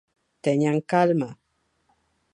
Teñan calma.